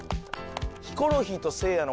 ヒコロヒーとせいやの。